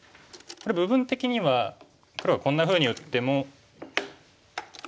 これ部分的には黒がこんなふうに打っても。